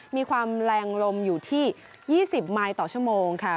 มีความแรงลมอยู่ที่๒๐ไมลต่อชั่วโมงค่ะ